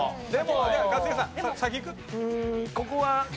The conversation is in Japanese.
じゃあ一茂さん先いく？